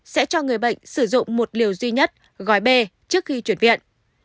sẽ cho người bệnh sử dụng một liều duy nhất gói b trước khi chuyển viện